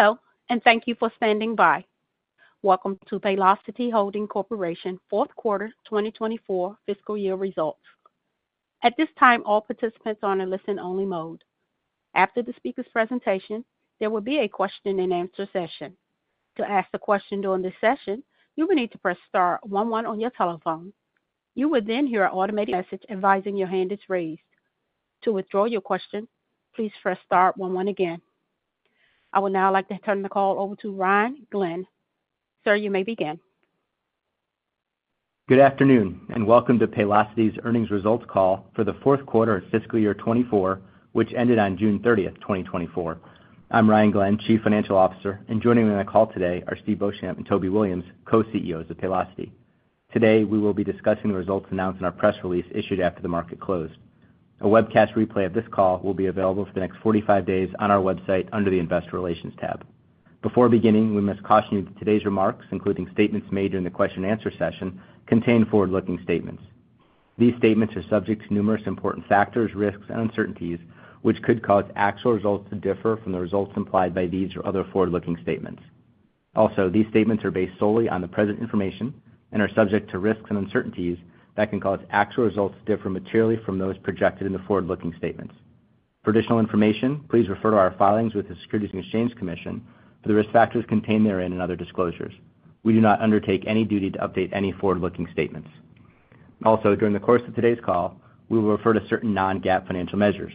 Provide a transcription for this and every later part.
Hello, and thank you for standing by. Welcome to Paylocity Holding Corporation Fourth Quarter FY 2024 Results. At this time, all participants are in listen-only mode. After the speaker's presentation, there will be a question-and-answer session. To ask a question during this session, you will need to press star one one on your telephone. You will then hear an automated message advising your hand is raised. To withdraw your question, please press star one one again. I would now like to turn the call over to Ryan Glenn. Sir, you may begin. Good afternoon, and welcome to Paylocity's earnings results call for the fourth quarter of FY 2024, which ended on June 30th, 2024. I'm Ryan Glenn, Chief Financial Officer, and joining me on the call today are Steve Beauchamp and Toby Williams, Co-CEOs of Paylocity. Today, we will be discussing the results announced in our press release issued after the market closed. A webcast replay of this call will be available for the next 45 days on our website under the Investor Relations tab. Before beginning, we must caution you that today's remarks, including statements made during the question-and-answer session, contain forward-looking statements. These statements are subject to numerous important factors, risks, and uncertainties, which could cause actual results to differ from the results implied by these or other forward-looking statements. Also, these statements are based solely on the present information and are subject to risks and uncertainties that can cause actual results to differ materially from those projected in the forward-looking statements. For additional information, please refer to our filings with the Securities and Exchange Commission for the risk factors contained therein and other disclosures. We do not undertake any duty to update any forward-looking statements. Also, during the course of today's call, we will refer to certain non-GAAP financial measures.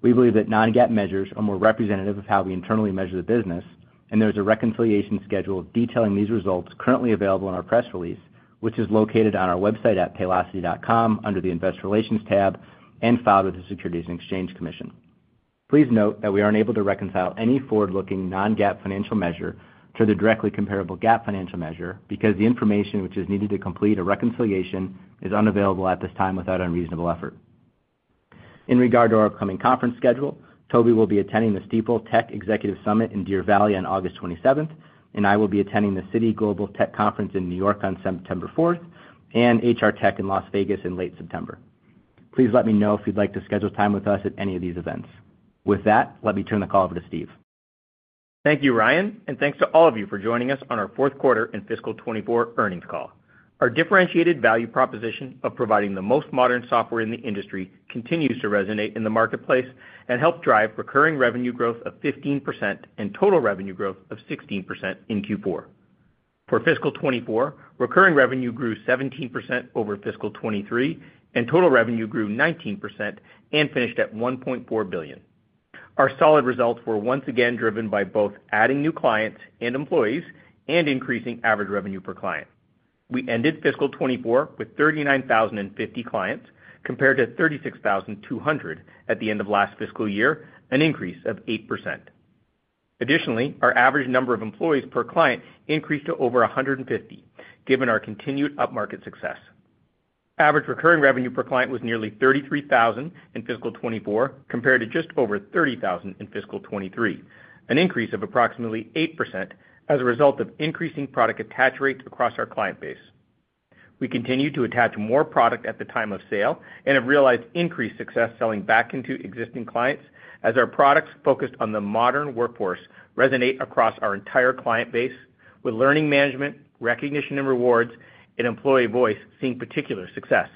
We believe that non-GAAP measures are more representative of how we internally measure the business, and there is a reconciliation schedule detailing these results currently available in our press release, which is located on our website at paylocity.com under the Investor Relations tab and filed with the Securities and Exchange Commission. Please note that we aren't able to reconcile any forward-looking non-GAAP financial measure to the directly comparable GAAP financial measure because the information which is needed to complete a reconciliation is unavailable at this time without unreasonable effort. In regard to our upcoming conference schedule, Toby will be attending the Stifel Tech Executive Summit in Deer Valley on August twenty-seventh, and I will be attending the Citi Global Tech Conference in New York on September fourth, and HR Tech in Las Vegas in late September. Please let me know if you'd like to schedule time with us at any of these events. With that, let me turn the call over to Steve. Thank you, Ryan, and thanks to all of you for joining us on our fourth quarter and FY 2024 earnings call. Our differentiated value proposition of providing the most modern software in the industry continues to resonate in the marketplace and help drive recurring revenue growth of 15% and total revenue growth of 16% in Q4. For FY 2024, recurring revenue grew 17% over FY 2023, and total revenue grew 19% and finished at $1.4 billion. Our solid results were once again driven by both adding new clients and employees and increasing average revenue per client. We ended FY 2024 with 39,050 clients, compared to 36,200 at the end of last fiscal year, an increase of 8%. Additionally, our average number of employees per client increased to over 150, given our continued upmarket success. Average recurring revenue per client was nearly $33,000 in FY 2024, compared to just over $30,000 in FY 2023, an increase of approximately 8% as a result of increasing product attach rates across our client base. We continue to attach more product at the time of sale and have realized increased success selling back into existing clients as our products focused on the modern workforce resonate across our entire client base, with Learning Management, Recognition and Rewards, and Employee Voice seeing particular success.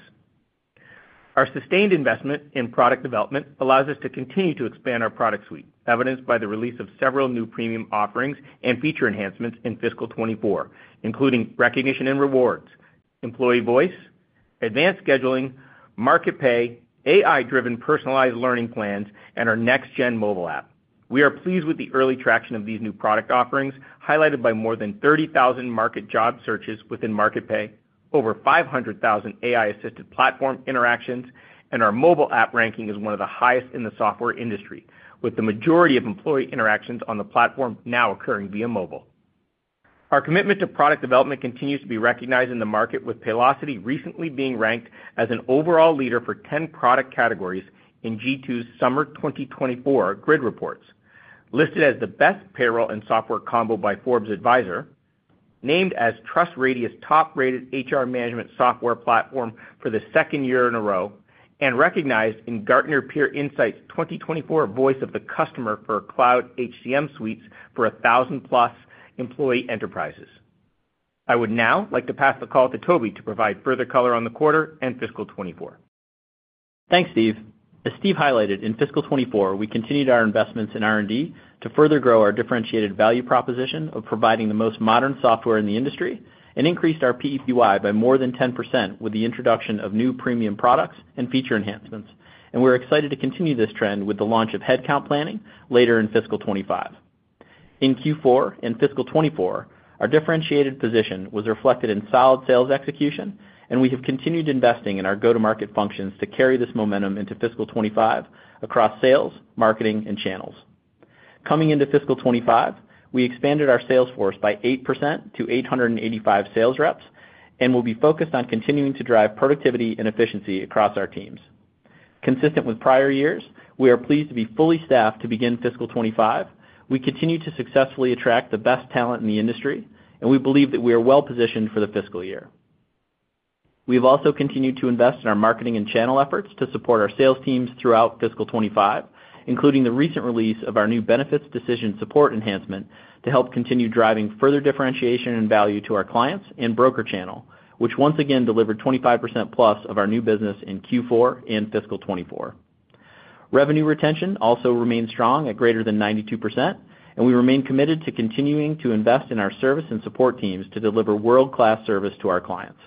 Our sustained investment in product development allows us to continue to expand our product suite, evidenced by the release of several new premium offerings and feature enhancements in FY 2024, including Recognition and Rewards, Employee Voice, Advanced Scheduling, Market Pay, AI-driven personalized learning plans, and our next-gen mobile app. We are pleased with the early traction of these new product offerings, highlighted by more than 30,000 market job searches within Market Pay, over 500,000 AI-assisted platform interactions, and our mobile app ranking is one of the highest in the software industry, with the majority of employee interactions on the platform now occurring via mobile. Our commitment to product development continues to be recognized in the market, with Paylocity recently being ranked as an overall leader for 10 product categories in G2's Summer 2024 Grid Reports, listed as the best payroll and software combo by Forbes Advisor, named as TrustRadius' top-rated HR management software platform for the second year in a row, and recognized in Gartner Peer Insights' 2024 Voice of the Customer for Cloud HCM Suites for 1,000+ Employee Enterprises. I would now like to pass the call to Toby to provide further color on the quarter and FY 2024. Thanks, Steve. As Steve highlighted, in FY 2024, we continued our investments in R&D to further grow our differentiated value proposition of providing the most modern software in the industry and increased our PEPY by more than 10% with the introduction of new premium products and feature enhancements. We're excited to continue this trend with the launch of Headcount Planning later in FY 2025. In Q4 and FY 2024, our differentiated position was reflected in solid sales execution, and we have continued investing in our go-to-market functions to carry this momentum into FY 2025 across sales, marketing, and channels. Coming into FY 2025, we expanded our sales force by 8% to 885 sales reps and will be focused on continuing to drive productivity and efficiency across our teams. Consistent with prior years, we are pleased to be fully staffed to begin FY 2025. We continue to successfully attract the best talent in the industry, and we believe that we are well-positioned for the fiscal year. ... We've also continued to invest in our marketing and channel efforts to support our sales teams throughout FY 2025, including the recent release of our new Benefits Decision Support enhancement, to help continue driving further differentiation and value to our clients and broker channel, which once again delivered 25%+ of our new business in Q4 and FY 2024. Revenue retention also remains strong at greater than 92%, and we remain committed to continuing to invest in our service and support teams to deliver world-class service to our clients.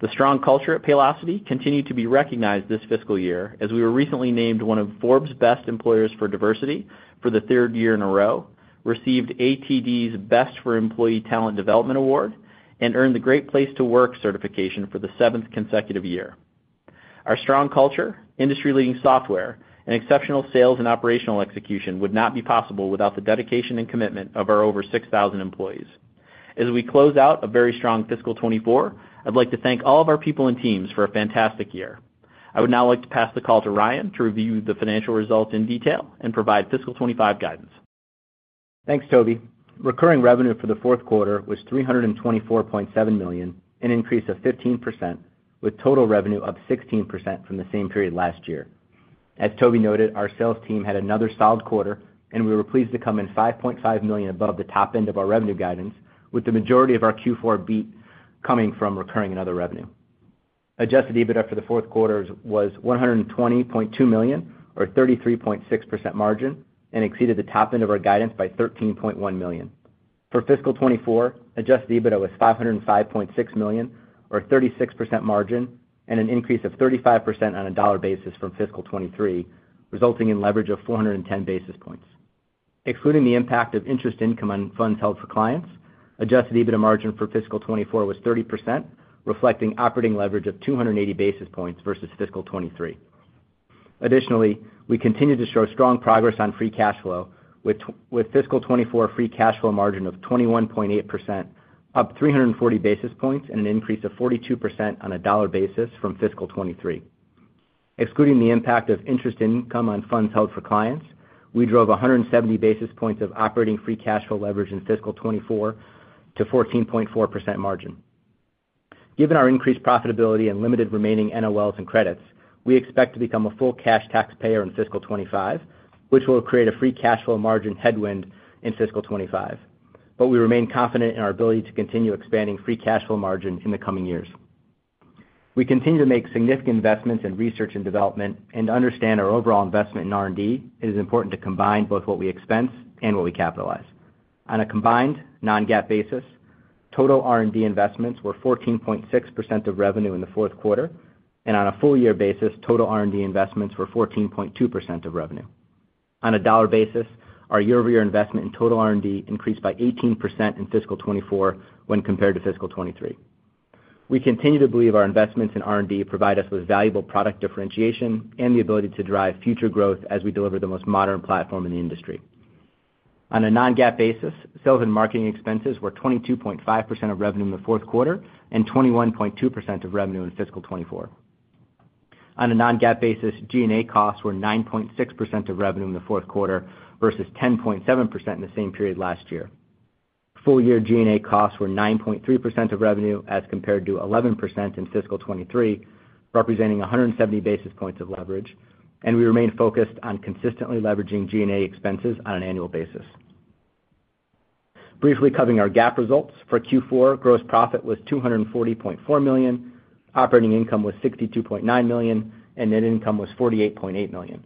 The strong culture at Paylocity continued to be recognized this fiscal year, as we were recently named one of Forbes Best Employers for Diversity for the third year in a row, received ATD's Best for Employee Talent Development Award, and earned the Great Place to Work certification for the seventh consecutive year. Our strong culture, industry-leading software, and exceptional sales and operational execution would not be possible without the dedication and commitment of our over 6,000 employees. As we close out a very strong FY 2024, I'd like to thank all of our people and teams for a fantastic year. I would now like to pass the call to Ryan to review the financial results in detail and provide FY 2025 guidance. Thanks, Toby. Recurring revenue for the fourth quarter was $324.7 million, an increase of 15%, with total revenue up 16% from the same period last year. As Toby noted, our sales team had another solid quarter, and we were pleased to come in $5.5 million above the top end of our revenue guidance, with the majority of our Q4 beat coming from recurring and other revenue. Adjusted EBITDA for the fourth quarter was $120.2 million, or 33.6% margin, and exceeded the top end of our guidance by $13.1 million. For FY 2024, Adjusted EBITDA was $505.6 million, or 36% margin, and an increase of 35% on a dollar basis from FY 2023, resulting in leverage of 410 basis points. Excluding the impact of interest income on funds held for clients, Adjusted EBITDA margin for FY 2024 was 30%, reflecting operating leverage of 280 basis points versus FY 2023. Additionally, we continue to show strong progress on free cash flow, with FY 2024 free cash flow margin of 21.8%, up 340 basis points and an increase of 42% on a dollar basis from FY 2023. Excluding the impact of interest income on funds held for clients, we drove 170 basis points of operating free cash flow leverage in FY 2024 to 14.4% margin. Given our increased profitability and limited remaining NOLs and credits, we expect to become a full cash taxpayer in FY 2025, which will create a free cash flow margin headwind in FY 2025. But we remain confident in our ability to continue expanding free cash flow margin in the coming years. We continue to make significant investments in research and development, and to understand our overall investment in R&D, it is important to combine both what we expense and what we capitalize. On a combined non-GAAP basis, total R&D investments were 14.6% of revenue in the fourth quarter, and on a full year basis, total R&D investments were 14.2% of revenue. On a dollar basis, our YoY investment in total R&D increased by 18% in FY 2024 when compared to FY 2023. We continue to believe our investments in R&D provide us with valuable product differentiation and the ability to drive future growth as we deliver the most modern platform in the industry. On a non-GAAP basis, sales and marketing expenses were 22.5% of revenue in the fourth quarter and 21.2% of revenue in FY 2024. On a non-GAAP basis, G&A costs were 9.6% of revenue in the fourth quarter versus 10.7% in the same period last year. Full year G&A costs were 9.3% of revenue, as compared to 11% in FY 2023, representing 170 basis points of leverage, and we remain focused on consistently leveraging G&A expenses on an annual basis. Briefly covering our GAAP results. For Q4, gross profit was $240.4 million, operating income was $62.9 million, and net income was $48.8 million.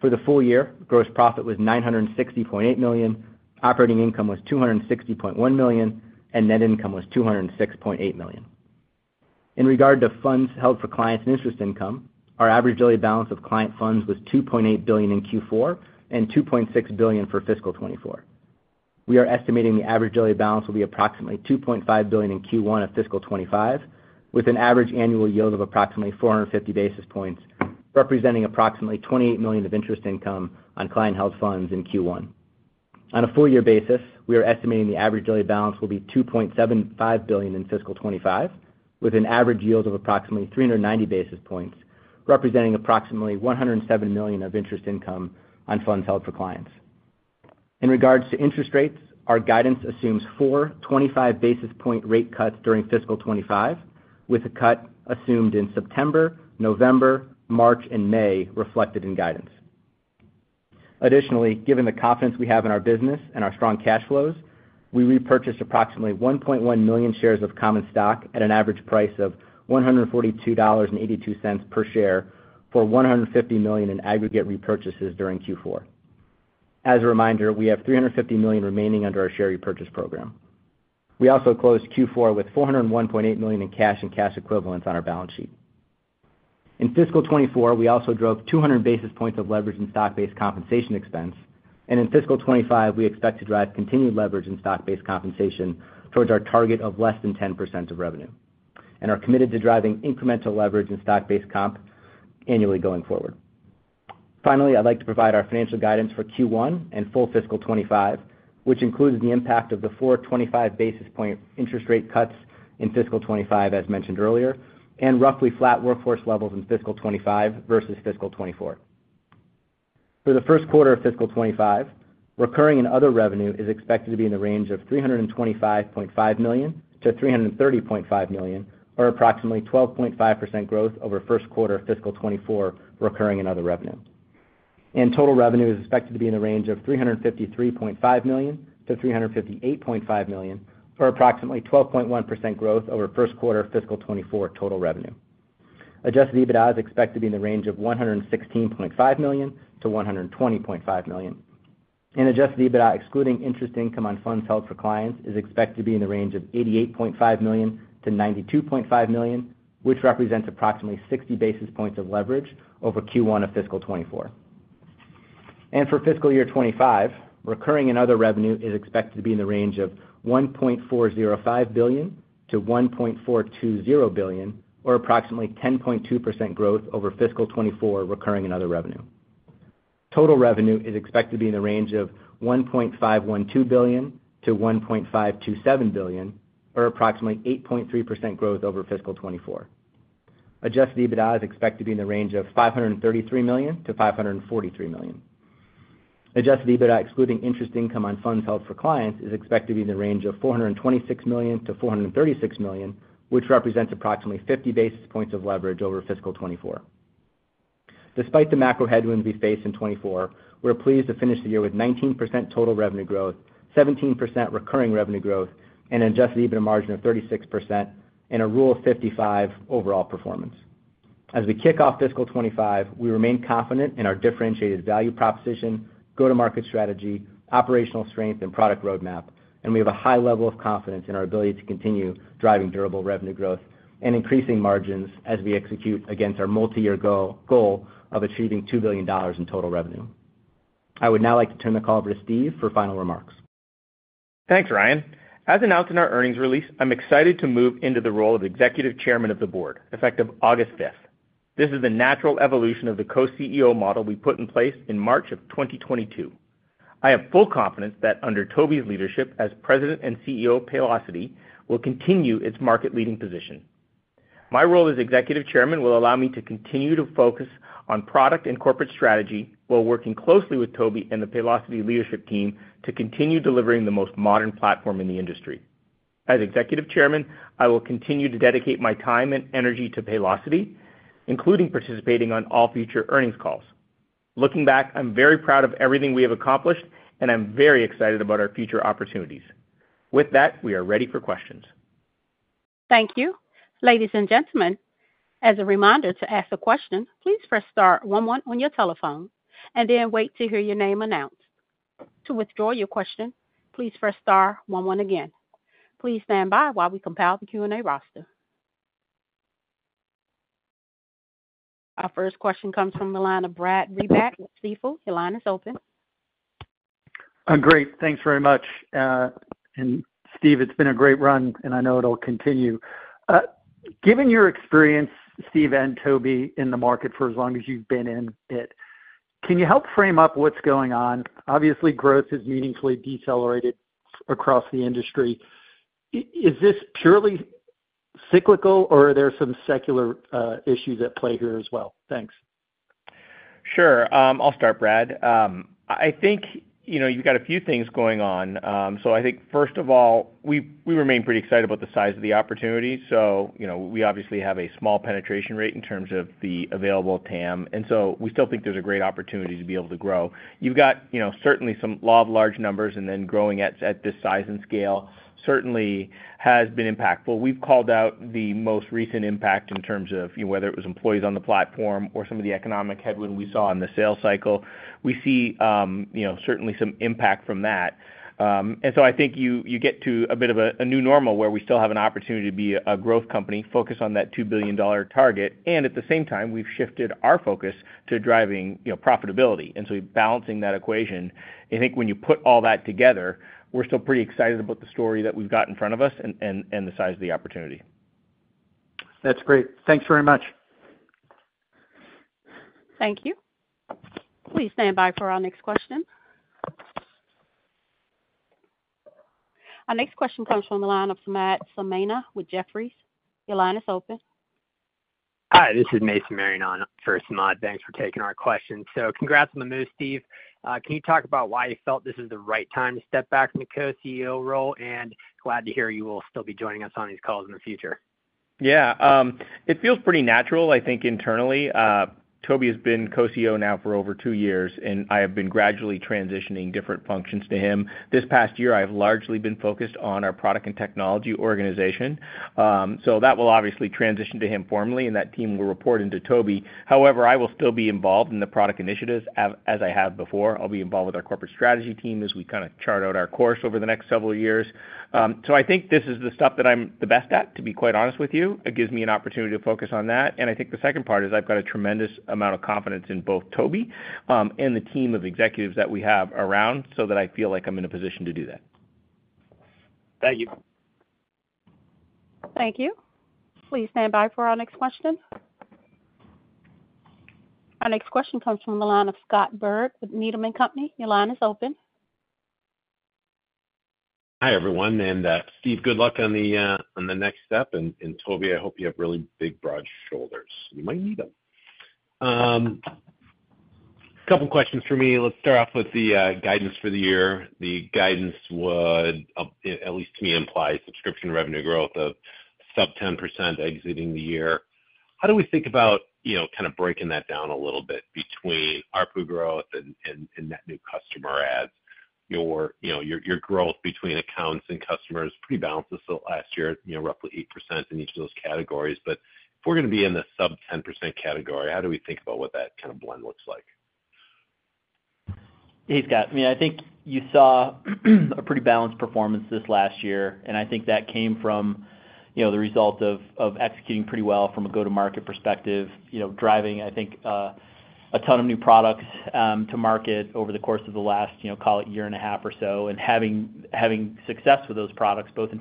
For the full year, gross profit was $960.8 million, operating income was $260.1 million, and net income was $206.8 million. In regard to funds held for clients and interest income, our average daily balance of client funds was $2.8 billion in Q4 and $2.6 billion for FY 2024. We are estimating the average daily balance will be approximately $2.5 billion in Q1 of FY 2025, with an average annual yield of approximately 450 basis points, representing approximately $28 million of interest income on client-held funds in Q1. On a full year basis, we are estimating the average daily balance will be $2.75 billion in FY 2025, with an average yield of approximately 390 basis points, representing approximately $107 million of interest income on funds held for clients. In regards to interest rates, our guidance assumes four 25 basis point rate cuts during FY 2025, with a cut assumed in September, November, March, and May reflected in guidance. Additionally, given the confidence we have in our business and our strong cash flows, we repurchased approximately 1.1 million shares of common stock at an average price of $142.82 per share for $150 million in aggregate repurchases during Q4. As a reminder, we have $350 million remaining under our share repurchase program. We also closed Q4 with $401.8 million in cash and cash equivalents on our balance sheet. In FY 2024, we also drove 200 basis points of leverage in stock-based compensation expense, and in FY 2025, we expect to drive continued leverage in stock-based compensation towards our target of less than 10% of revenue, and are committed to driving incremental leverage in stock-based comp annually going forward. Finally, I'd like to provide our financial guidance for Q1 and full FY 2025, which includes the impact of the four 25 basis point interest rate cuts in FY 2025, as mentioned earlier, and roughly flat workforce levels in FY 2025 versus FY 2024. For the first quarter of FY 2025, recurring and other revenue is expected to be in the range of $325.5 million-$330.5 million, or approximately 12.5% growth over first quarter of FY 2024 recurring and other revenue. Total revenue is expected to be in the range of $353.5 million-$358.5 million, or approximately 12.1% growth over first quarter FY 2024 total revenue. Adjusted EBITDA is expected to be in the range of $116.5 million-$120.5 million, and Adjusted EBITDA, excluding interest income on funds held for clients, is expected to be in the range of $88.5 million-$92.5 million, which represents approximately 60 basis points of leverage over Q1 of FY 2024. For FY 2025, recurring and other revenue is expected to be in the range of $1.405 billion-$1.420 billion, or approximately 10.2% growth over FY 2024 recurring and other revenue. Total revenue is expected to be in the range of $1.512 billion-$1.527 billion, or approximately 8.3% growth over FY 2024. Adjusted EBITDA is expected to be in the range of $533 million-$543 million. Adjusted EBITDA, excluding interest income on funds held for clients, is expected to be in the range of $426 million-$436 million, which represents approximately 50 basis points of leverage over FY 2024. Despite the macro headwinds we face in 2024, we're pleased to finish the year with 19% total revenue growth, 17% recurring revenue growth, and an Adjusted EBITDA margin of 36% and a Rule of 55 overall performance. As we kick off FY 2025, we remain confident in our differentiated value proposition, go-to-market strategy, operational strength, and product roadmap, and we have a high level of confidence in our ability to continue driving durable revenue growth and increasing margins as we execute against our multi-year goal of achieving $2 billion in total revenue. I would now like to turn the call over to Steve for final remarks. Thanks, Ryan. As announced in our earnings release, I'm excited to move into the role of executive chairman of the board, effective August fifth. This is the natural evolution of the co-CEO model we put in place in March of 2022. I have full confidence that under Toby's leadership as president and CEO, Paylocity will continue its market-leading position. My role as executive chairman will allow me to continue to focus on product and corporate strategy, while working closely with Toby and the Paylocity leadership team to continue delivering the most modern platform in the industry. As executive chairman, I will continue to dedicate my time and energy to Paylocity, including participating on all future earnings calls. Looking back, I'm very proud of everything we have accomplished, and I'm very excited about our future opportunities. With that, we are ready for questions. Thank you. Ladies and gentlemen, as a reminder, to ask a question, please press star one one on your telephone and then wait to hear your name announced. To withdraw your question, please press star one one again. Please stand by while we compile the Q&A roster. Our first question comes from the line of Brad Reback with Stifel. Your line is open. Great. Thanks very much. And Steve, it's been a great run, and I know it'll continue. Given your experience, Steve and Toby, in the market for as long as you've been in it, can you help frame up what's going on? Obviously, growth has meaningfully decelerated across the industry. Is this purely cyclical, or are there some secular issues at play here as well? Thanks. Sure. I'll start, Brad. I think, you know, you've got a few things going on. So I think first of all, we remain pretty excited about the size of the opportunity. So you know, we obviously have a small penetration rate in terms of the available TAM, and so we still think there's a great opportunity to be able to grow. You've got, you know, certainly some law of large numbers, and then growing at this size and scale certainly has been impactful. We've called out the most recent impact in terms of, you know, whether it was employees on the platform or some of the economic headwind we saw in the sales cycle. We see, you know, certainly some impact from that. And so I think you get to a bit of a new normal, where we still have an opportunity to be a growth company focused on that $2 billion target. And at the same time, we've shifted our focus to driving, you know, profitability, and so balancing that equation. I think when you put all that together, we're still pretty excited about the story that we've got in front of us and the size of the opportunity. That's great. Thanks very much. Thank you. Please stand by for our next question. Our next question comes from the line of Mason Marion with Jefferies. Your line is open. Hi, this is Mason Marion on for Samad. Thanks for taking our question. So congrats on the move, Steve. Can you talk about why you felt this is the right time to step back from the co-CEO role? And glad to hear you will still be joining us on these calls in the future. Yeah, it feels pretty natural. I think internally, Toby has been co-CEO now for over two years, and I have been gradually transitioning different functions to him. This past year, I've largely been focused on our product and technology organization. So that will obviously transition to him formally, and that team will report into Toby. However, I will still be involved in the product initiatives, as I have before. I'll be involved with our corporate strategy team as we kind of chart out our course over the next several years. So I think this is the stuff that I'm the best at, to be quite honest with you. It gives me an opportunity to focus on that. I think the second part is I've got a tremendous amount of confidence in both Toby and the team of executives that we have around, so that I feel like I'm in a position to do that. Thank you. Thank you. Please stand by for our next question. Our next question comes from the line of Scott Berg with Needham & Company. Your line is open.... Hi, everyone, and Steve, good luck on the next step, and Toby, I hope you have really big, broad shoulders. You might need them. Couple questions for me. Let's start off with the guidance for the year. The guidance would, at least to me, imply subscription revenue growth of sub 10% exiting the year. How do we think about, you know, kind of breaking that down a little bit between ARPU growth and net new customer adds? Your, you know, your growth between accounts and customers pretty balanced this last year, you know, roughly 8% in each of those categories. But if we're gonna be in the sub 10% category, how do we think about what that kind of blend looks like? Hey, Scott. I mean, I think you saw a pretty balanced performance this last year, and I think that came from, you know, the result of, of executing pretty well from a go-to-market perspective, you know, driving, I think, a ton of new products to market over the course of the last, you know, call it year and a half or so, and having, having success with those products, both in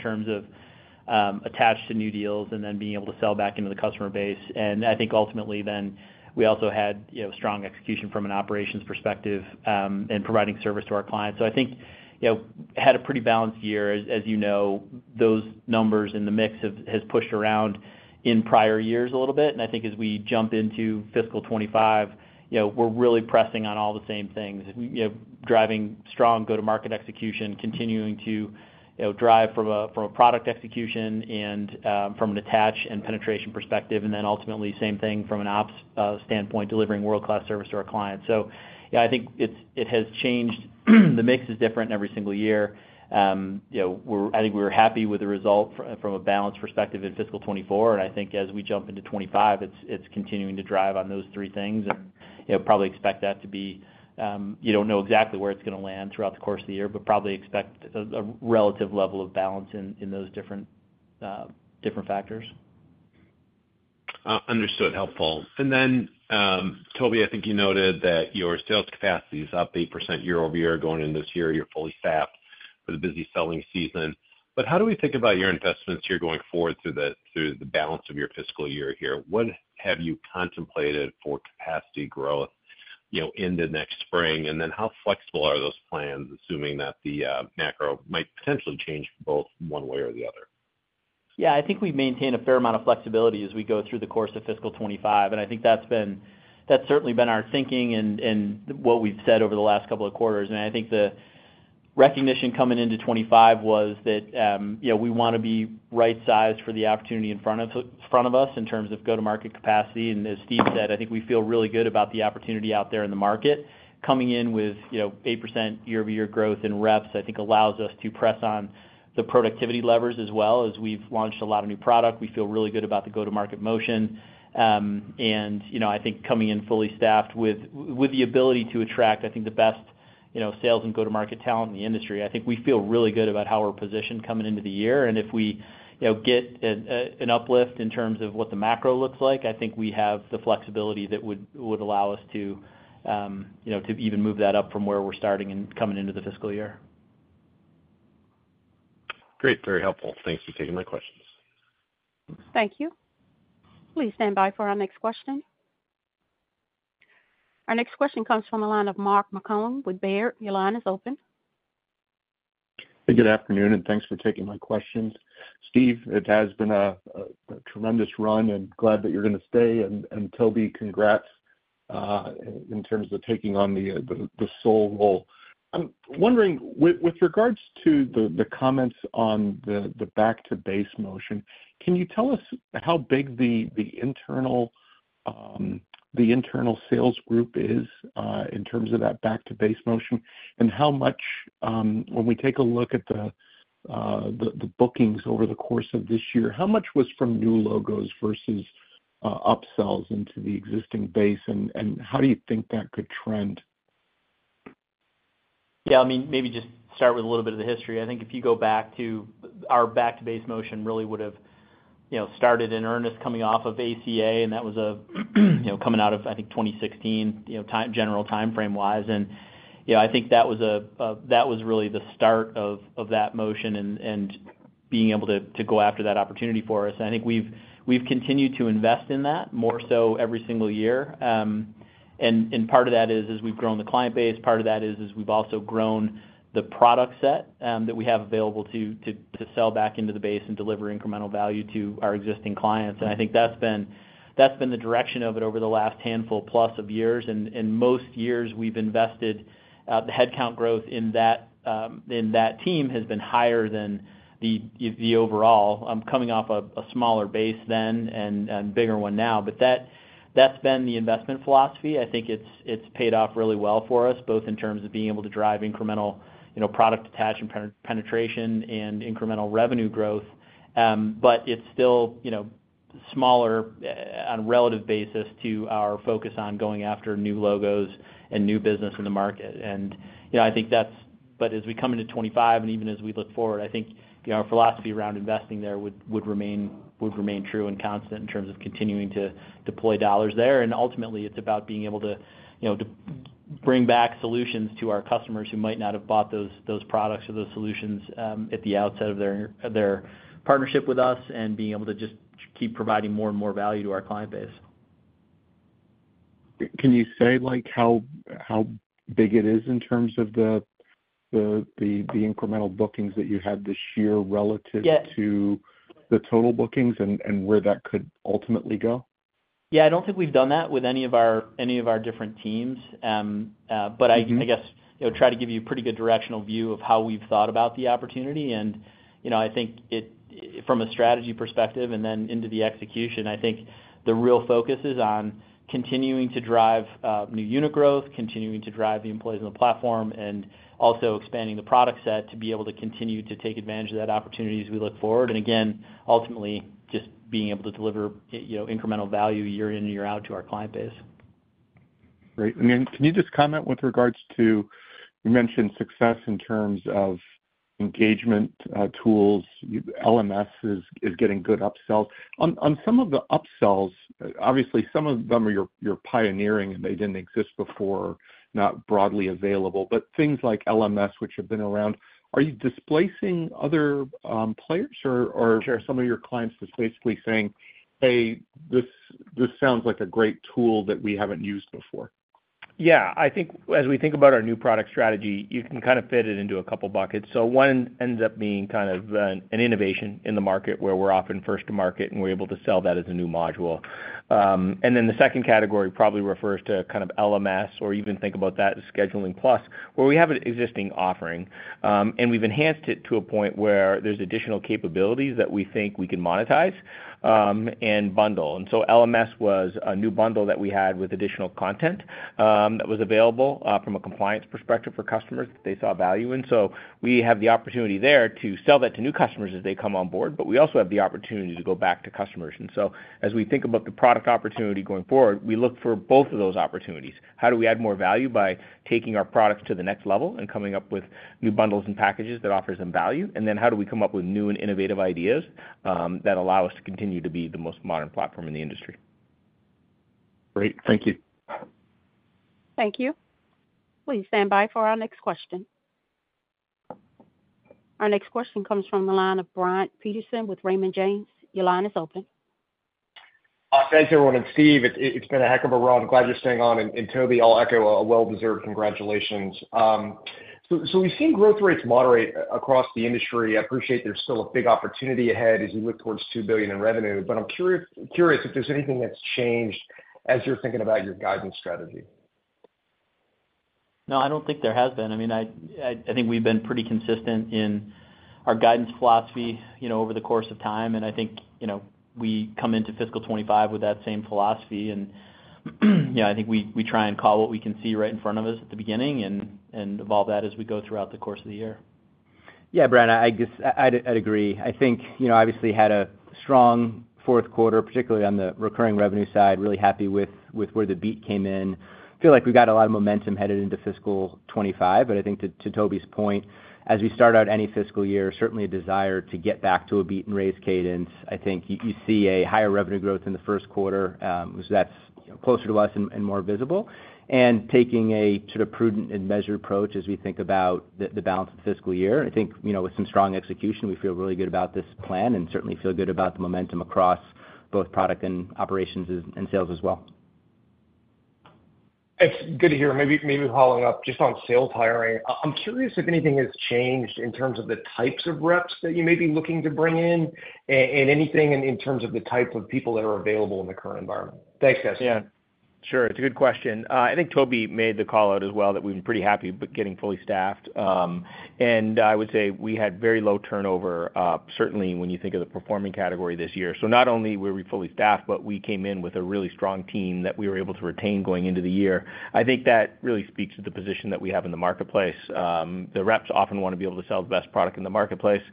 terms of attached to new deals and then being able to sell back into the customer base. And I think ultimately then, we also had, you know, strong execution from an operations perspective in providing service to our clients. So I think, you know, had a pretty balanced year. As you know, those numbers in the mix has pushed around in prior years a little bit, and I think as we jump into FY 2025, you know, we're really pressing on all the same things. You know, driving strong go-to-market execution, continuing to, you know, drive from a, from a product execution and, from an attach and penetration perspective, and then ultimately, same thing from an ops standpoint, delivering world-class service to our clients. So yeah, I think it has changed. The mix is different every single year. You know, I think we're happy with the result from a balance perspective in FY 2024, and I think as we jump into 2025, it's continuing to drive on those three things. You know, probably expect that to be. You don't know exactly where it's gonna land throughout the course of the year, but probably expect a relative level of balance in those different factors. Understood. Helpful. And then, Toby, I think you noted that your sales capacity is up 8% YoY, going into this year. You're fully staffed for the busy selling season. But how do we think about your investments here, going forward through the balance of your fiscal year here? What have you contemplated for capacity growth, you know, into next spring? And then how flexible are those plans, assuming that the macro might potentially change both one way or the other? Yeah, I think we maintain a fair amount of flexibility as we go through the course of FY 25, and I think that's been. That's certainly been our thinking and, and what we've said over the last couple of quarters. And I think the recognition coming into 25 was that, you know, we wanna be right-sized for the opportunity in front of us, in terms of go-to-market capacity. And as Steve said, I think we feel really good about the opportunity out there in the market. Coming in with, you know, 8% YoY growth in reps, I think, allows us to press on the productivity levers as well. As we've launched a lot of new product, we feel really good about the go-to-market motion. And, you know, I think coming in fully staffed with the ability to attract, I think, the best, you know, sales and go-to-market talent in the industry, I think we feel really good about how we're positioned coming into the year. And if we, you know, get an an uplift in terms of what the macro looks like, I think we have the flexibility that would allow us to, you know, to even move that up from where we're starting and coming into the fiscal year. Great, very helpful. Thanks for taking my questions. Thank you. Please stand by for our next question. Our next question comes from the line of Mark Marcon with Baird. Your line is open. Hey, good afternoon, and thanks for taking my questions. Steve, it has been a tremendous run, and glad that you're gonna stay. And Toby, congrats in terms of taking on the sole role. I'm wondering, with regards to the comments on the back-to-base motion, can you tell us how big the internal sales group is in terms of that back-to-base motion? And how much, when we take a look at the bookings over the course of this year, how much was from new logos versus upsells into the existing base, and how do you think that could trend? Yeah, I mean, maybe just start with a little bit of the history. I think if you go back to our back-to-base motion, really would've, you know, started in earnest coming off of ACA, and that was a, you know, coming out of, I think, 2016, you know, time-general timeframe-wise. And, you know, I think that was a, that was really the start of, of that motion and, and being able to, to go after that opportunity for us. I think we've, we've continued to invest in that, more so every single year. And, and part of that is, as we've grown the client base, part of that is, is we've also grown the product set, that we have available to, to, to sell back into the base and deliver incremental value to our existing clients. I think that's been the direction of it over the last handful plus of years. In most years, we've invested, the headcount growth in that team has been higher than the overall, coming off a smaller base then and bigger one now. But that's been the investment philosophy. I think it's paid off really well for us, both in terms of being able to drive incremental, you know, product attach and penetration and incremental revenue growth. But it's still, you know, smaller on a relative basis to our focus on going after new logos and new business in the market. And, you know, I think that's— But as we come into 25, and even as we look forward, I think, you know, our philosophy around investing there would, would remain, would remain true and constant in terms of continuing to deploy dollars there. And ultimately, it's about being able to, you know, to bring back solutions to our customers who might not have bought those, those products or those solutions, at the outset of their, their partnership with us, and being able to just keep providing more and more value to our client base.... Can you say, like, how big it is in terms of the incremental bookings that you had this year relative- Yes. -to the total bookings and where that could ultimately go? Yeah, I don't think we've done that with any of our, any of our different teams. Mm-hmm... I guess, you know, try to give you a pretty good directional view of how we've thought about the opportunity. And, you know, I think it, from a strategy perspective, and then into the execution, I think the real focus is on continuing to drive new unit growth, continuing to drive the employees on the platform, and also expanding the product set to be able to continue to take advantage of that opportunity as we look forward. And again, ultimately, just being able to deliver, you know, incremental value year in and year out to our client base. Great. And then can you just comment with regards to, you mentioned success in terms of engagement, tools. LMS is getting good upsells. On some of the upsells, obviously, some of them are your, you're pioneering, and they didn't exist before, not broadly available, but things like LMS, which have been around, are you displacing other players, or are some of your clients just basically saying, "Hey, this sounds like a great tool that we haven't used before? Yeah, I think as we think about our new product strategy, you can kind of fit it into a couple buckets. So one ends up being kind of an innovation in the market, where we're often first to market, and we're able to sell that as a new module. And then the second category probably refers to kind of LMS, or even think about that as Scheduling Plus, where we have an existing offering, and we've enhanced it to a point where there's additional capabilities that we think we can monetize, and bundle. And so LMS was a new bundle that we had with additional content, that was available, from a compliance perspective for customers that they saw value in. So we have the opportunity there to sell that to new customers as they come on board, but we also have the opportunity to go back to customers. And so as we think about the product opportunity going forward, we look for both of those opportunities. How do we add more value by taking our products to the next level and coming up with new bundles and packages that offers them value? And then how do we come up with new and innovative ideas, that allow us to continue to be the most modern platform in the industry? Great. Thank you. Thank you. Please stand by for our next question. Our next question comes from the line of Brian Peterson with Raymond James. Your line is open. Thanks, everyone, and Steve, it's been a heck of a run. Glad you're staying on. Toby, I'll echo a well-deserved congratulations. So we've seen growth rates moderate across the industry. I appreciate there's still a big opportunity ahead as you look towards $2 billion in revenue, but I'm curious if there's anything that's changed as you're thinking about your guidance strategy. No, I don't think there has been. I mean, I think we've been pretty consistent in our guidance philosophy, you know, over the course of time, and I think, you know, we come into FY 2025 with that same philosophy. You know, I think we try and call what we can see right in front of us at the beginning and evolve that as we go throughout the course of the year. Yeah, Brian, I guess I'd, I'd agree. I think, you know, obviously, had a strong fourth quarter, particularly on the recurring revenue side, really happy with, with where the beat came in. Feel like we got a lot of momentum headed into FY 2025. But I think to, to Toby's point, as we start out any fiscal year, certainly a desire to get back to a beat and raise cadence. I think you, you see a higher revenue growth in the first quarter, so that's closer to us and, and more visible, and taking a sort of prudent and measured approach as we think about the, the balance of the fiscal year. I think, you know, with some strong execution, we feel really good about this plan and certainly feel good about the momentum across both product and operations and, and sales as well. It's good to hear. Maybe following up just on sales hiring. I'm curious if anything has changed in terms of the types of reps that you may be looking to bring in, and anything in terms of the type of people that are available in the current environment. Thanks, guys. Yeah, sure. It's a good question. I think Toby made the call out as well, that we've been pretty happy but getting fully staffed. And I would say we had very low turnover, certainly when you think of the performing category this year. So not only were we fully staffed, but we came in with a really strong team that we were able to retain going into the year. I think that really speaks to the position that we have in the marketplace. The reps often want to be able to sell the best product in the marketplace,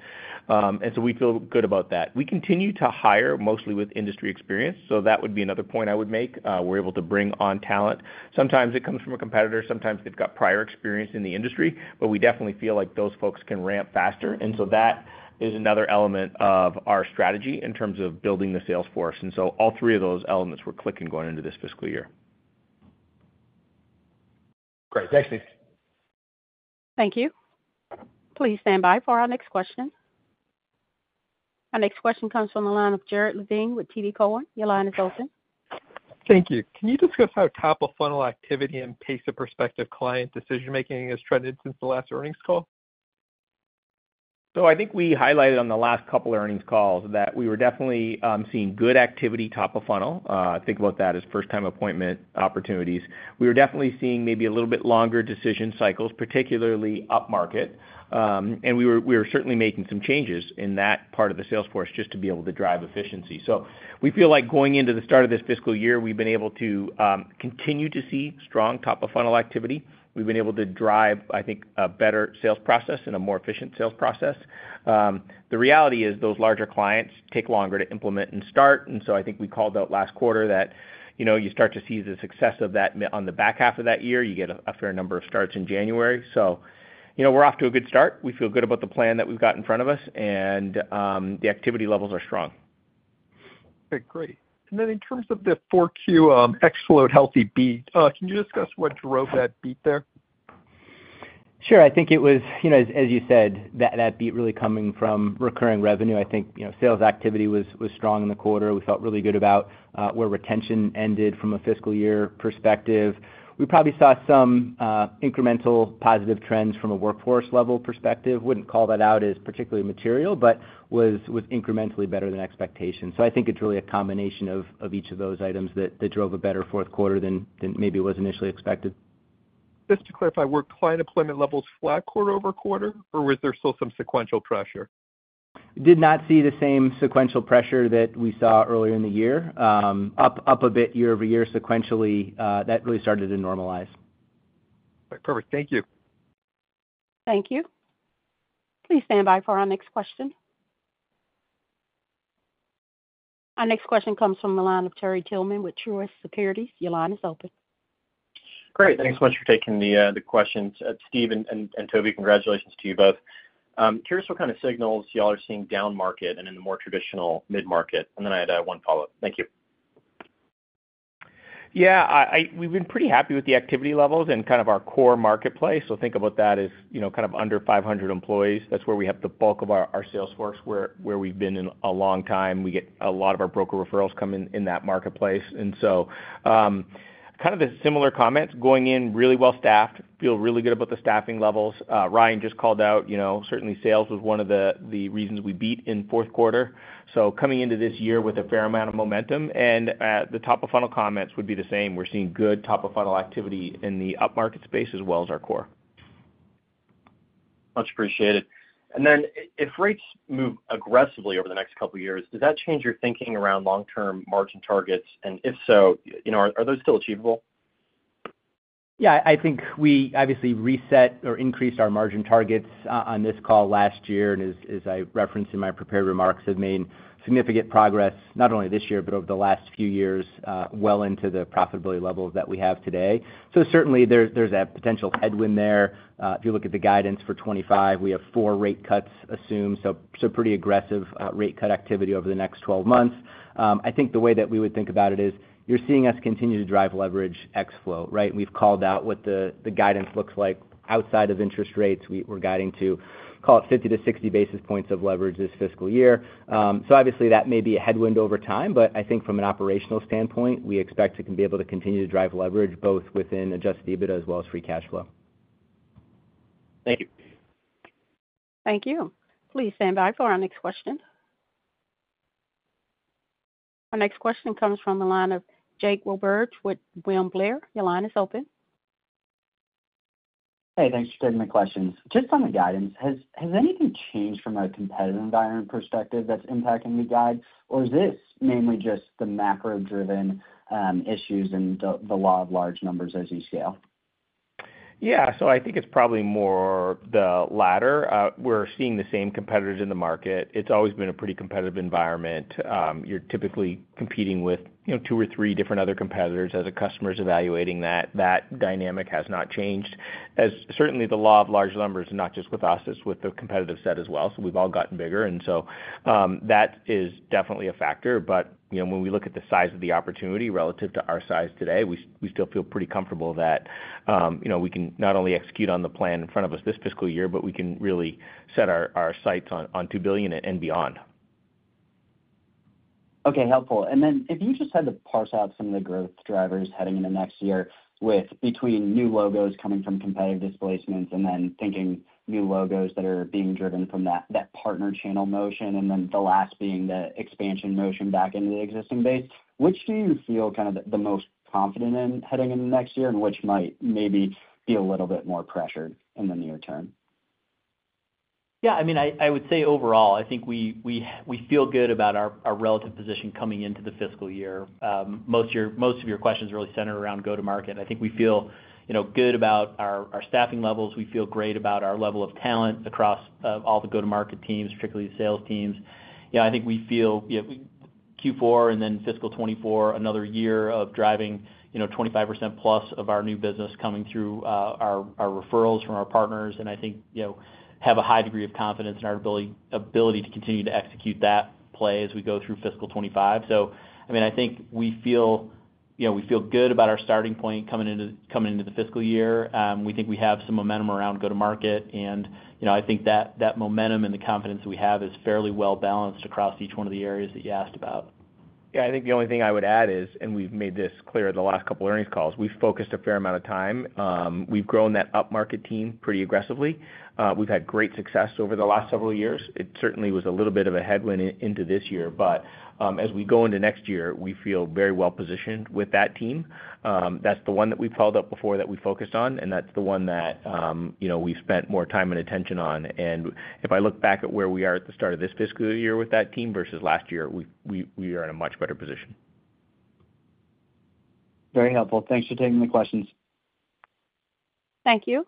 and so we feel good about that. We continue to hire mostly with industry experience, so that would be another point I would make. We're able to bring on talent. Sometimes it comes from a competitor, sometimes they've got prior experience in the industry, but we definitely feel like those folks can ramp faster. And so that is another element of our strategy in terms of building the sales force. And so all three of those elements were clicking going into this fiscal year. Great. Thanks, Steve. Thank you. Please stand by for our next question. Our next question comes from the line of Jared Levine with TD Cowen. Your line is open. Thank you. Can you discuss how top-of-funnel activity and pace of prospective client decision-making has trended since the last earnings call? So I think we highlighted on the last couple of earnings calls that we were definitely seeing good activity top of funnel. Think about that as first-time appointment opportunities. We were definitely seeing maybe a little bit longer decision cycles, particularly upmarket. And we were certainly making some changes in that part of the sales force just to be able to drive efficiency. So we feel like going into the start of this fiscal year, we've been able to continue to see strong top-of-funnel activity. We've been able to drive, I think, a better sales process and a more efficient sales process. The reality is, those larger clients take longer to implement and start, and so I think we called out last quarter that, you know, you start to see the success of that on the back half of that year. You get a fair number of starts in January. So, you know, we're off to a good start. We feel good about the plan that we've got in front of us, and the activity levels are strong. Okay, great. And then in terms of the Q4 ex-float healthy beat, can you discuss what drove that beat there?... Sure. I think it was, you know, as, as you said, that, that beat really coming from recurring revenue. I think, you know, sales activity was, was strong in the quarter. We felt really good about where retention ended from a fiscal year perspective. We probably saw some incremental positive trends from a workforce level perspective. Wouldn't call that out as particularly material, but was, was incrementally better than expectations. So I think it's really a combination of, of each of those items that, that drove a better fourth quarter than, than maybe was initially expected. Just to clarify, were client deployment levels flat quarter-over-quarter, or was there still some sequential pressure? Did not see the same sequential pressure that we saw earlier in the year, up a bit year over year sequentially, that really started to normalize. Perfect. Thank you. Thank you. Please stand by for our next question. Our next question comes from the line of Terry Tillman with Truist Securities. Your line is open. Great. Thanks so much for taking the questions. Steve and Toby, congratulations to you both. Curious what kind of signals y'all are seeing down market and in the more traditional mid-market, and then I'd add one follow-up. Thank you. Yeah, we've been pretty happy with the activity levels and kind of our core marketplace. So think about that as, you know, kind of under 500 employees. That's where we have the bulk of our, our sales force, where, where we've been in a long time. We get a lot of our broker referrals coming in that marketplace. And so, kind of a similar comment, going in really well staffed, feel really good about the staffing levels. Ryan just called out, you know, certainly sales was one of the, the reasons we beat in fourth quarter. So coming into this year with a fair amount of momentum, and, the top of funnel comments would be the same. We're seeing good top of funnel activity in the upmarket space as well as our core. Much appreciated. And then if rates move aggressively over the next couple of years, does that change your thinking around long-term margin targets? And if so, you know, are those still achievable? Yeah, I think we obviously reset or increased our margin targets on this call last year, and as I referenced in my prepared remarks, have made significant progress, not only this year, but over the last few years, well into the profitability levels that we have today. So certainly there's a potential headwind there. If you look at the guidance for 25, we have 4 rate cuts assumed, so pretty aggressive rate cut activity over the next 12 months. I think the way that we would think about it is, you're seeing us continue to drive leverage ex float, right? We've called out what the guidance looks like outside of interest rates. We're guiding to, call it, 50-60 basis points of leverage this fiscal year. Obviously, that may be a headwind over time, but I think from an operational standpoint, we expect to be able to continue to drive leverage both within Adjusted EBITDA as well as Free Cash Flow. Thank you. Thank you. Please stand by for our next question. Our next question comes from the line of Jake Roberge with William Blair. Your line is open. Hey, thanks for taking my questions. Just on the guidance, has anything changed from a competitive environment perspective that's impacting the guide? Or is this mainly just the macro-driven issues and the law of large numbers as you scale? Yeah. So I think it's probably more the latter. We're seeing the same competitors in the market. It's always been a pretty competitive environment. You're typically competing with, you know, two or three different other competitors as a customer is evaluating that. That dynamic has not changed. As certainly the law of large numbers, not just with us, it's with the competitive set as well. So we've all gotten bigger, and so, that is definitely a factor. But, you know, when we look at the size of the opportunity relative to our size today, we still feel pretty comfortable that, you know, we can not only execute on the plan in front of us this fiscal year, but we can really set our, our sights on, on $2 billion and beyond. Okay, helpful. And then if you just had to parse out some of the growth drivers heading in the next year with between new logos coming from competitive displacements and then thinking new logos that are being driven from that, that partner channel motion, and then the last being the expansion motion back into the existing base, which do you feel kind of the, the most confident in heading into next year, and which might maybe be a little bit more pressured in the near term? Yeah, I mean, I would say overall, I think we feel good about our relative position coming into the fiscal year. Most of your questions really center around go-to-market. I think we feel, you know, good about our staffing levels. We feel great about our level of talent across all the go-to-market teams, particularly the sales teams. Yeah, I think we feel, yeah, Q4 and then FY 2024, another year of driving, you know, 25%+ of our new business coming through our referrals from our partners, and I think, you know, have a high degree of confidence in our ability to continue to execute that play as we go through FY 2025. So, I mean, I think we feel, you know, we feel good about our starting point coming into the fiscal year. We think we have some momentum around go-to-market, and, you know, I think that, that momentum and the confidence we have is fairly well balanced across each one of the areas that you asked about. Yeah, I think the only thing I would add is, and we've made this clear the last couple of earnings calls, we've focused a fair amount of time. We've grown that upmarket team pretty aggressively. We've had great success over the last several years. It certainly was a little bit of a headwind into this year, but as we go into next year, we feel very well positioned with that team. That's the one that we've called out before that we focused on, and that's the one that, you know, we spent more time and attention on. And if I look back at where we are at the start of this fiscal year with that team versus last year, we are in a much better position. Very helpful. Thanks for taking the questions. Thank you.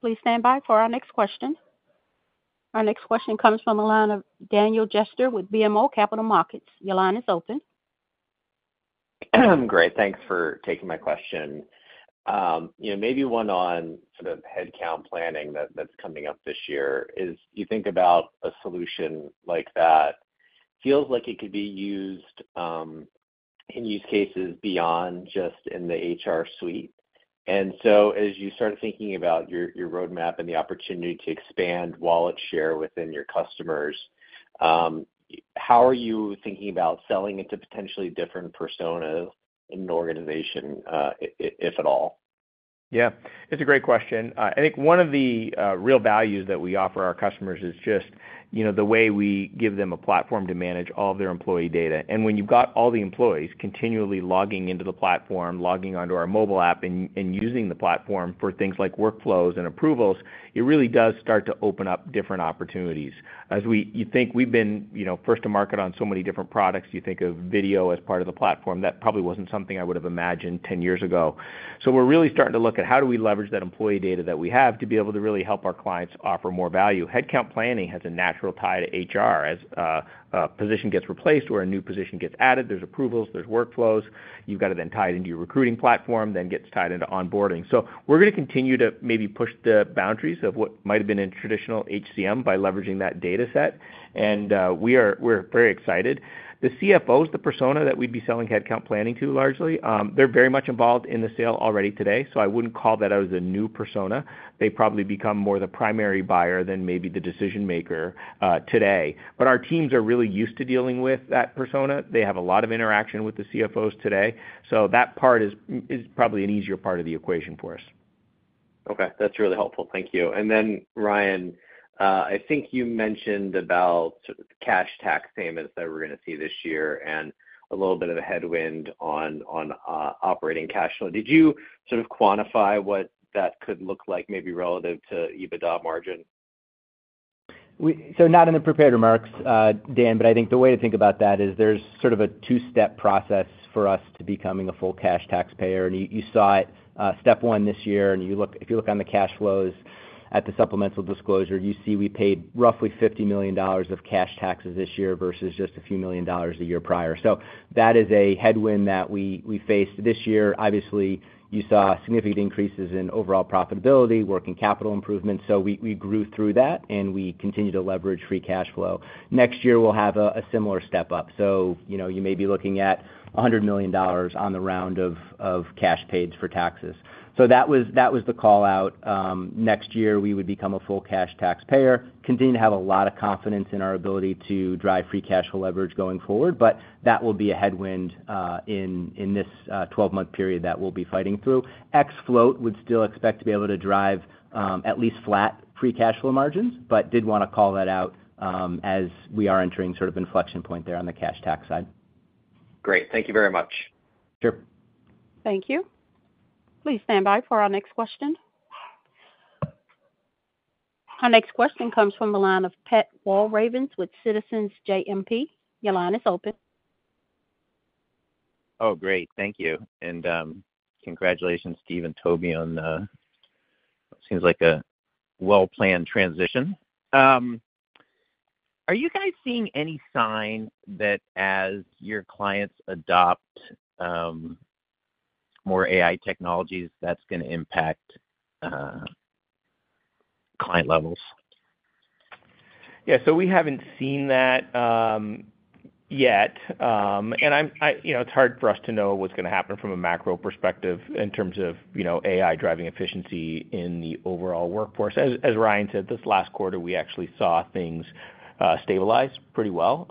Please stand by for our next question. Our next question comes from the line of Daniel Jester with BMO Capital Markets. Your line is open. Great, thanks for taking my question. You know, maybe one on sort of Headcount Planning that, that's coming up this year. Is... you think about a solution like that?... feels like it could be used in use cases beyond just in the HR suite. And so as you start thinking about your, your roadmap and the opportunity to expand wallet share within your customers, how are you thinking about selling it to potentially different personas in an organization, if at all? Yeah, it's a great question. I think one of the real values that we offer our customers is just, you know, the way we give them a platform to manage all of their employee data. And when you've got all the employees continually logging into the platform, logging onto our mobile app, and using the platform for things like workflows and approvals, it really does start to open up different opportunities. As we—you think we've been, you know, first to market on so many different products. You think of video as part of the platform. That probably wasn't something I would have imagined ten years ago. So we're really starting to look at how do we leverage that employee data that we have to be able to really help our clients offer more value. Headcount Planning has a natural tie to HR. A position gets replaced or a new position gets added, there's approvals, there's workflows. You've got to then tie it into your recruiting platform, then gets tied into onboarding. So we're going to continue to maybe push the boundaries of what might have been in traditional HCM by leveraging that data set. And, we are very excited. The CFO is the persona that we'd be selling headcount planning to, largely. They're very much involved in the sale already today, so I wouldn't call that as a new persona. They've probably become more the primary buyer than maybe the decision maker, today. But our teams are really used to dealing with that persona. They have a lot of interaction with the CFOs today, so that part is probably an easier part of the equation for us. Okay, that's really helpful. Thank you. And then, Ryan, I think you mentioned about sort of the cash tax payments that we're going to see this year and a little bit of a headwind on, on, operating cash flow. Did you sort of quantify what that could look like, maybe relative to EBITDA margin? So not in the prepared remarks, Dan, but I think the way to think about that is there's sort of a two-step process for us to becoming a full cash taxpayer. And you saw it, step one this year, and you look... if you look on the cash flows at the supplemental disclosure, you see we paid roughly $50 million of cash taxes this year versus just a few million dollars the year prior. So that is a headwind that we faced this year. Obviously, you saw significant increases in overall profitability, working capital improvements, so we grew through that, and we continue to leverage free cash flow. Next year, we'll have a similar step up. So, you know, you may be looking at $100 million on the round of cash paid for taxes. So that was, that was the call-out. Next year, we would become a full cash taxpayer, continue to have a lot of confidence in our ability to drive free cash flow leverage going forward, but that will be a headwind, in this 12-month period that we'll be fighting through. We'd still expect to be able to drive at least flat free cash flow margins, but did want to call that out, as we are entering sort of inflection point there on the cash tax side. Great. Thank you very much. Sure. Thank you. Please stand by for our next question. Our next question comes from the line of Pat Walravens with Citizens JMP. Your line is open. Oh, great. Thank you. Congratulations, Steve and Toby, on what seems like a well-planned transition. Are you guys seeing any sign that as your clients adopt more AI technologies, that's going to impact client levels? Yeah. So we haven't seen that yet. And I'm, you know, it's hard for us to know what's going to happen from a macro perspective in terms of, you know, AI driving efficiency in the overall workforce. As Ryan said, this last quarter, we actually saw things stabilize pretty well.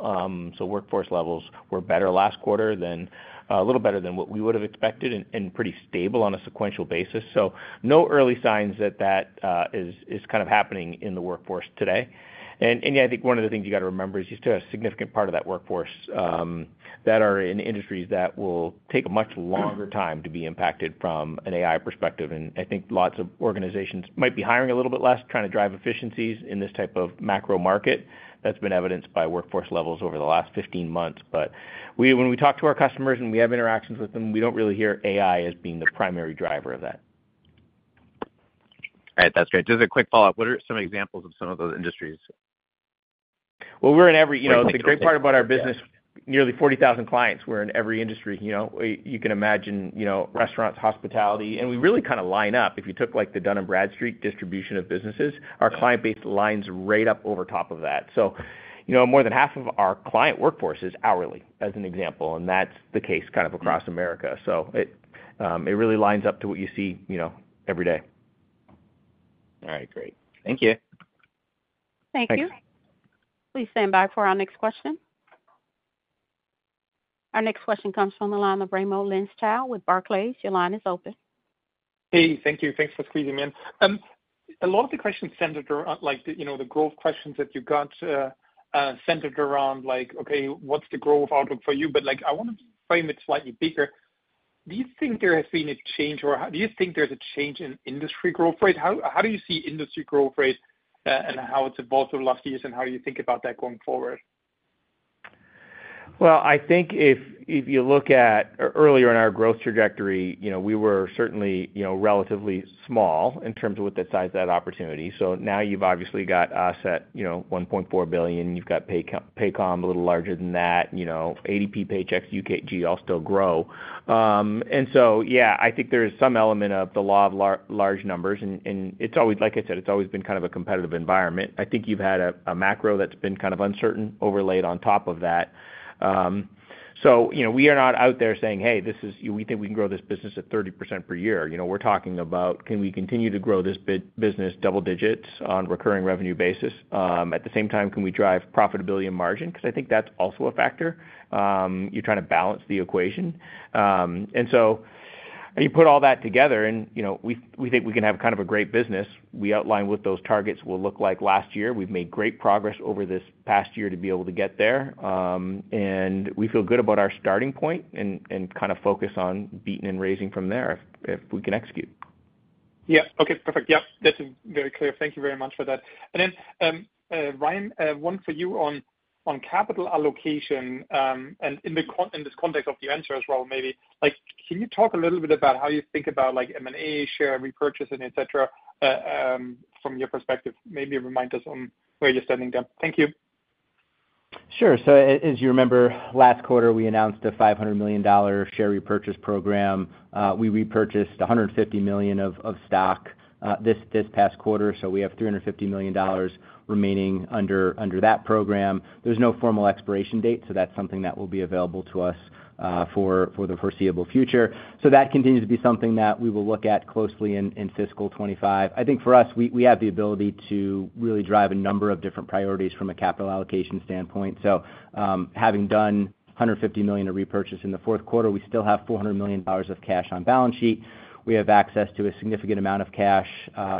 So workforce levels were better last quarter than a little better than what we would have expected and pretty stable on a sequential basis. So no early signs that that is kind of happening in the workforce today. And yeah, I think one of the things you got to remember is you still have a significant part of that workforce that are in industries that will take a much longer time to be impacted from an AI perspective. I think lots of organizations might be hiring a little bit less, trying to drive efficiencies in this type of macro market. That's been evidenced by workforce levels over the last 15 months. But we- when we talk to our customers and we have interactions with them, we don't really hear AI as being the primary driver of that. All right. That's great. Just a quick follow-up. What are some examples of some of those industries? Well, we're in every... You know, the great part about our business, nearly 40,000 clients, we're in every industry. You know, you can imagine, you know, restaurants, hospitality, and we really kind of line up. If you took, like, the Dun & Bradstreet distribution of businesses, our client base lines right up over top of that. So, you know, more than half of our client workforce is hourly, as an example, and that's the case kind of across America. So it, it really lines up to what you see, you know, every day. All right, great. Thank you. Thank you. Thanks. Please stand by for our next question. Our next question comes from the line of Raimo Lenschow with Barclays. Your line is open. Hey, thank you. Thanks for squeezing me in. A lot of the questions centered around, like, the, you know, the growth questions that you got, centered around, like, okay, what's the growth outlook for you? But, like, I want to frame it slightly bigger. Do you think there has been a change, or how- do you think there's a change in industry growth rate? How do you see industry growth rate, and how it's evolved over the last years, and how you think about that going forward? ... Well, I think if you look at earlier in our growth trajectory, you know, we were certainly, you know, relatively small in terms of what the size of that opportunity. So now you've obviously got us at, you know, $1.4 billion. You've got Paycom, a little larger than that, you know, ADP, Paychex, UKG, all still grow. And so, yeah, I think there is some element of the law of large numbers, and it's always like I said, it's always been kind of a competitive environment. I think you've had a macro that's been kind of uncertain, overlaid on top of that. So, you know, we are not out there saying, "Hey, this is—we think we can grow this business at 30% per year." You know, we're talking about can we continue to grow this business double digits on recurring revenue basis? At the same time, can we drive profitability and margin? Because I think that's also a factor. You're trying to balance the equation. And so when you put all that together and, you know, we think we can have kind of a great business. We outlined what those targets will look like last year. We've made great progress over this past year to be able to get there, and we feel good about our starting point and kind of focus on beating and raising from there if we can execute. Yeah. Okay, perfect. Yep, that's very clear. Thank you very much for that. And then, Ryan, one for you on capital allocation, and in this context of the answer as well, maybe, like, can you talk a little bit about how you think about, like, M&A, share repurchase and et cetera, from your perspective, maybe remind us on where you're standing now. Thank you. Sure. So as you remember, last quarter, we announced a $500 million share repurchase program. We repurchased $150 million of stock this past quarter, so we have $350 million remaining under that program. There's no formal expiration date, so that's something that will be available to us for the foreseeable future. So that continues to be something that we will look at closely in FY 2025. I think for us, we have the ability to really drive a number of different priorities from a capital allocation standpoint. So, having done $150 million of repurchase in the fourth quarter, we still have $400 million of cash on balance sheet. We have access to a significant amount of cash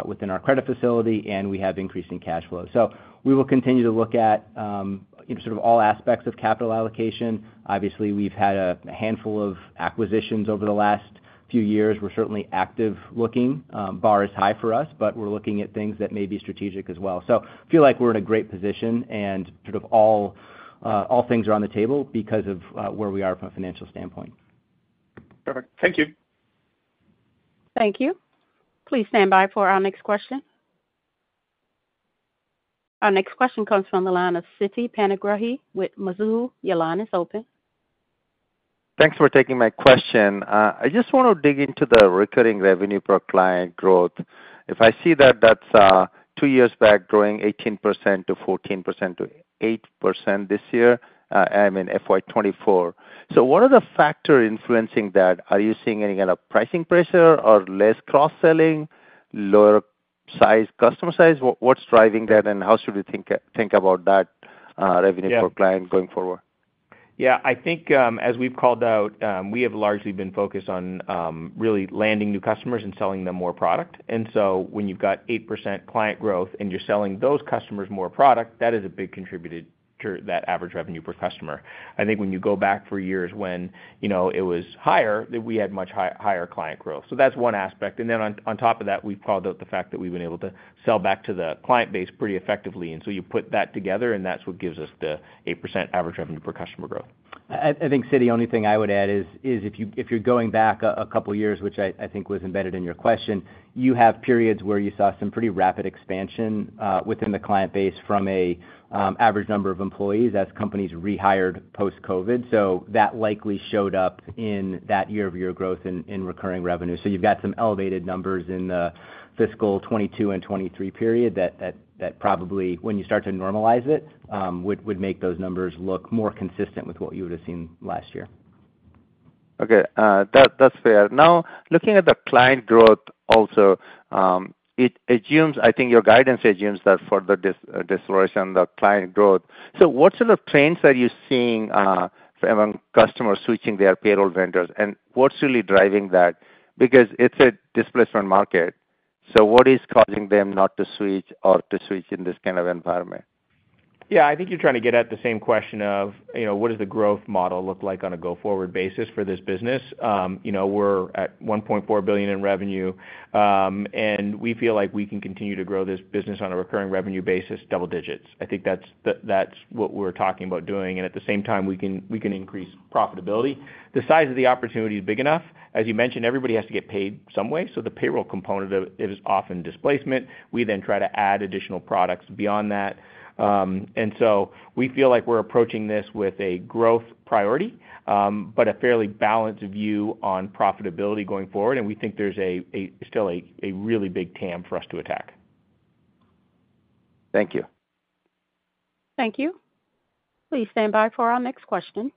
within our credit facility, and we have increasing cash flow. So we will continue to look at, you know, sort of all aspects of capital allocation. Obviously, we've had a handful of acquisitions over the last few years. We're certainly active looking. Bar is high for us, but we're looking at things that may be strategic as well. So feel like we're in a great position and sort of all things are on the table because of where we are from a financial standpoint. Perfect. Thank you. Thank you. Please stand by for our next question. Our next question comes from the line of Siti Panigrahi with Mizuho. Your line is open. Thanks for taking my question. I just want to dig into the recurring revenue per client growth. If I see that, that's two years back, growing 18% to 14% to 8% this year, I mean FY 2024. So what are the factors influencing that? Are you seeing any kind of pricing pressure or less cross-selling, lower size, customer size? What's driving that, and how should we think about that revenue- Yeah... per client going forward? Yeah, I think, as we've called out, we have largely been focused on really landing new customers and selling them more product. And so when you've got 8% client growth and you're selling those customers more product, that is a big contributor to that average revenue per customer. I think when you go back four years when, you know, it was higher, then we had much higher client growth. So that's one aspect. And then on top of that, we've called out the fact that we've been able to sell back to the client base pretty effectively. And so you put that together, and that's what gives us the 8% average revenue per customer growth. I think, Siti, only thing I would add is if you're going back a couple of years, which I think was embedded in your question, you have periods where you saw some pretty rapid expansion within the client base from average number of employees as companies rehired post-COVID. So that likely showed up in that year-over-year growth in recurring revenue. So you've got some elevated numbers in the FY 2022 and 2023 period that probably, when you start to normalize it, would make those numbers look more consistent with what you would have seen last year. Okay, that's fair. Now, looking at the client growth also, it assumes, I think your guidance assumes that further deceleration the client growth. So what sort of trends are you seeing among customers switching their payroll vendors, and what's really driving that? Because it's a displacement market, so what is causing them not to switch or to switch in this kind of environment? Yeah, I think you're trying to get at the same question of, you know, what does the growth model look like on a go-forward basis for this business? You know, we're at $1.4 billion in revenue, and we feel like we can continue to grow this business on a recurring revenue basis, double digits. I think that's what we're talking about doing, and at the same time, we can increase profitability. The size of the opportunity is big enough. As you mentioned, everybody has to get paid some way, so the payroll component of it is often displacement. We then try to add additional products beyond that. And so we feel like we're approaching this with a growth priority, but a fairly balanced view on profitability going forward, and we think there's still a really big TAM for us to attack. Thank you. Thank you. Please stand by for our next question.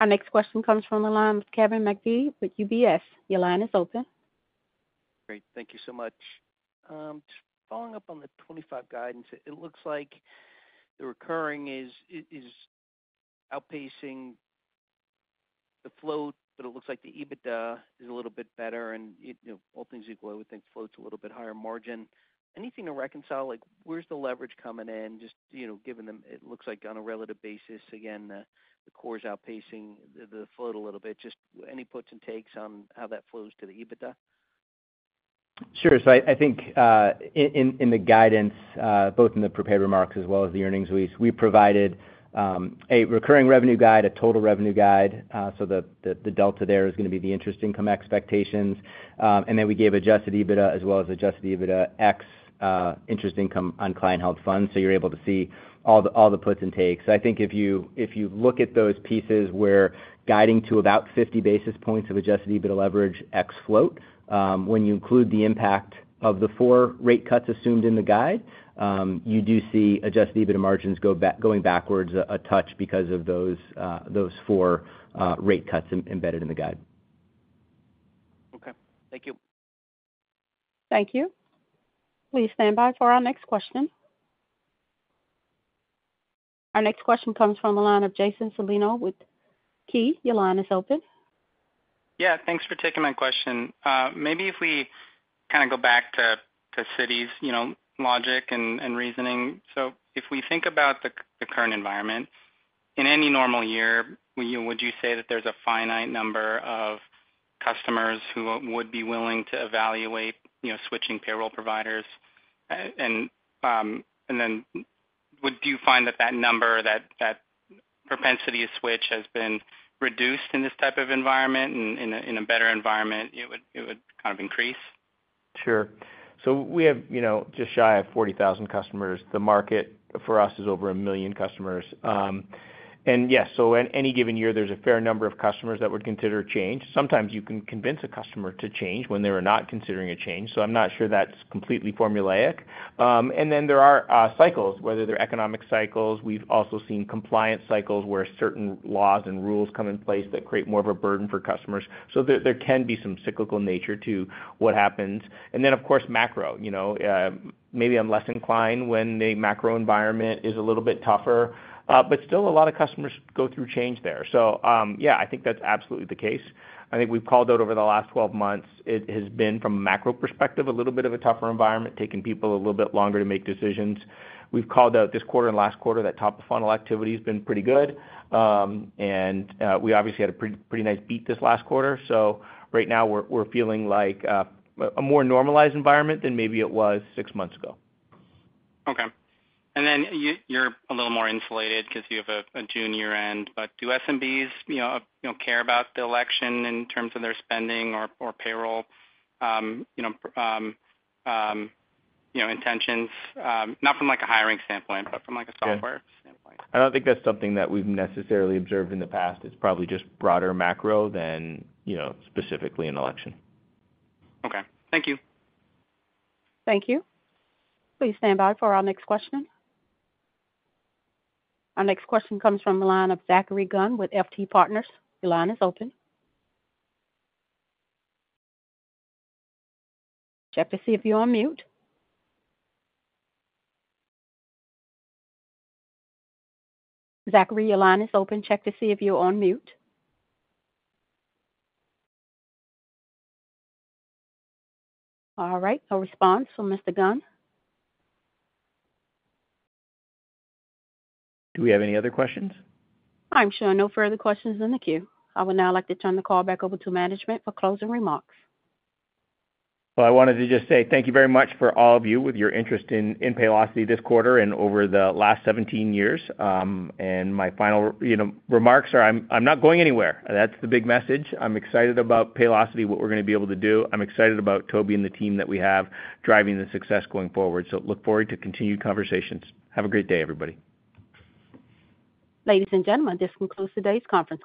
Our next question comes from the line with Kevin McVeigh with UBS. Your line is open. Great. Thank you so much. Just following up on the 25 guidance, it looks like the recurring is, is outpacing the float, but it looks like the EBITDA is a little bit better, and you know, all things equal, I would think float's a little bit higher margin. Anything to reconcile, like where's the leverage coming in? Just, you know, given the, it looks like on a relative basis, again, the core is outpacing the, the float a little bit. Just any puts and takes on how that flows to the EBITDA? ... Sure. So I think in the guidance both in the prepared remarks as well as the earnings release, we provided a recurring revenue guide, a total revenue guide, so the delta there is going to be the interest income expectations. And then we gave Adjusted EBITDA as well as Adjusted EBITDA ex interest income on client-held funds. So you're able to see all the puts and takes. I think if you look at those pieces, we're guiding to about 50 basis points of Adjusted EBITDA leverage ex float. When you include the impact of the four rate cuts assumed in the guide, you do see Adjusted EBITDA margins going backwards a touch because of those four rate cuts embedded in the guide. Okay. Thank you. Thank you. Please stand by for our next question. Our next question comes from the line of Jason Celino with Key. Your line is open. Yeah, thanks for taking my question. Maybe if we kind of go back to Siti's, you know, logic and reasoning. So if we think about the current environment, in any normal year, would you say that there's a finite number of customers who would be willing to evaluate, you know, switching payroll providers? And then would you find that that number, that propensity to switch has been reduced in this type of environment, and in a better environment, it would kind of increase? Sure. So we have, you know, just shy of 40,000 customers. The market for us is over 1 million customers. And yes, so at any given year, there's a fair number of customers that would consider change. Sometimes you can convince a customer to change when they were not considering a change, so I'm not sure that's completely formulaic. And then there are cycles, whether they're economic cycles. We've also seen compliance cycles, where certain laws and rules come in place that create more of a burden for customers. So there, there can be some cyclical nature to what happens. And then, of course, macro. You know, maybe I'm less inclined when the macro environment is a little bit tougher, but still a lot of customers go through change there. So, yeah, I think that's absolutely the case. I think we've called out over the last 12 months, it has been, from a macro perspective, a little bit of a tougher environment, taking people a little bit longer to make decisions. We've called out this quarter and last quarter, that top-of-funnel activity has been pretty good. We obviously had a pretty, pretty nice beat this last quarter. So right now we're feeling like a more normalized environment than maybe it was six months ago. Okay. And then you're a little more insulated because you have a June year end, but do SMBs, you know, you know, care about the election in terms of their spending or payroll, you know, intentions? Not from, like, a hiring standpoint, but from, like, a software standpoint. I don't think that's something that we've necessarily observed in the past. It's probably just broader macro than, you know, specifically an election. Okay. Thank you. Thank you. Please stand by for our next question. Our next question comes from the line of Zachary Gunn with FT Partners. Your line is open. Check to see if you're on mute. Zachary, your line is open. Check to see if you're on mute. All right, no response from Mr. Gunn. Do we have any other questions? I'm showing no further questions in the queue. I would now like to turn the call back over to management for closing remarks. Well, I wanted to just say thank you very much for all of you with your interest in Paylocity this quarter and over the last 17 years. And my final, you know, remarks are, I'm not going anywhere. That's the big message. I'm excited about Paylocity, what we're going to be able to do. I'm excited about Toby and the team that we have driving the success going forward. So look forward to continued conversations. Have a great day, everybody. Ladies and gentlemen, this concludes today's conference call.